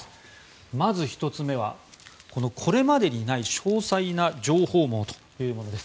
まず１つ目は、これまでにない詳細な情報網というものです。